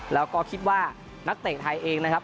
แล้วก็คิดว่านักเตะไทยเองนะครับ